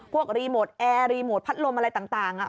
รีโมทแอร์รีโมทพัดลมอะไรต่าง